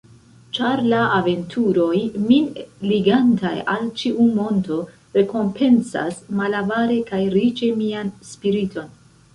Ĉar la aventuroj min ligantaj al ĉiu monto rekompencas malavare kaj riĉe mian spiriton.